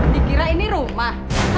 dikira ini rumah